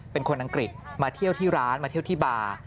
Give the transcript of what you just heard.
อังกฤษมาเที่ยวที่ร้านมาเที่ยวที่บาร์